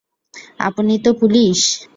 আপনি তো পুলিশ!